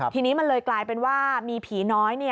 ทีนี้มันเลยกลายเป็นว่ามีผีน้อย